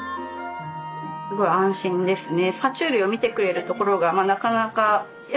すごい安心ですね。